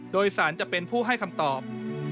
โดยสารจะเป็นผู้ให้คำตอบ